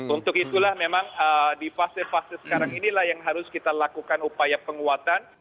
untuk itulah memang di fase fase sekarang inilah yang harus kita lakukan upaya penguatan